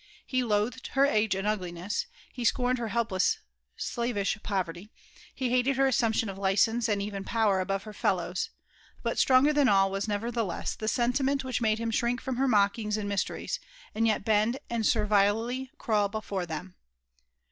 He loathed her age and ugliness ; he scorned her helpless, alavisb poTer ty ; he baledf her assumption of licence, and even power, ahoye her felews ; hot stronger than all was, nev^thelesa, the sentiewBi whicb mads Mm shrink from bet meekiegi afid i&ysleriea, and yet bead and iWTiMf crawl before them.